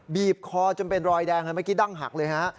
บีบคอจนเป็นรอยแดงเมื่อกี้ดั้งหักเลยฮะ